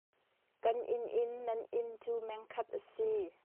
Kan inn in nan inn cu meng khat a si.